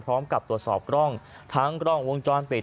พร้อมกับตรวจสอบกล้องทั้งกล้องวงจรปิด